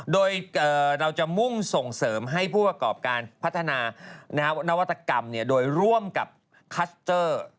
โดยเราจะมุ่งส่งเสริมให้ผู้ประกอบการพัฒนานวัตกรรมโดยร่วมกับคัสเตอร์